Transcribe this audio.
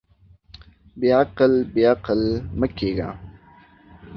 بېعقل، بېعقل مۀ کېږه.